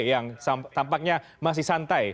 yang tampaknya masih santai